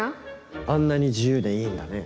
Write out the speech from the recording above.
あんなに自由でいいんだね。